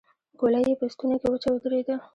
ګولۍ يې په ستونې کې وچه ودرېده.